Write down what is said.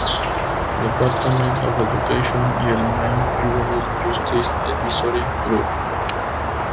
Department of Education, y el Maine Juvenile Justice Advisory Group.